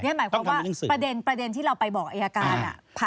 หมายความว่าประเด็นที่เราไปบอกอายการ